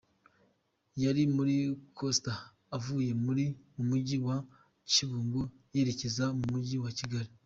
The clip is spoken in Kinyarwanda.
Yari muri Coaster ivuye mu Mujyi wa Kibungo yerekeza mu mu Mujyi wa Kigali.